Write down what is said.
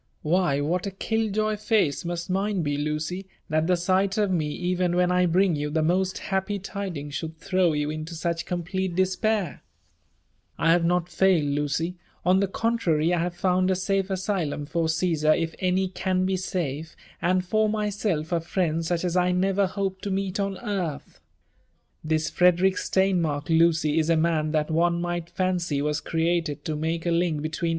'' Whf, wiiat# UlH^f face must mioe b9, Lucy, that tho sig^ ^f me, even when I bring you the post happy tidings, should (hcow jm^ into such complete despair 1 1 have Aot faked, Lucy : on the contrary, J have lound a safe asyhim for CJi^sar'^f any i^ao be safe,— «nd for myself 41 fri9nd ancb 4^ I never hoped to jB6fA on ^arth. This F/»^ derick ^teifumirk, Lucy, is a man that one might fancy was created to make a link hetw^ei»